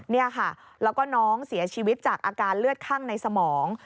นี่ค่ะแล้วก็น้องเสียชีวิตจากอาการเลือดข้างในสมอง